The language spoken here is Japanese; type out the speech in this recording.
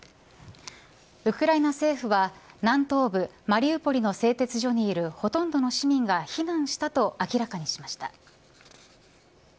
ウクライナ政府は南東部マリウポリの製鉄所にいるほとんどの市民が避難したと明らかにしました。